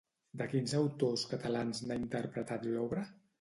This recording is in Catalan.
De quins autors catalans n'ha interpretat l'obra?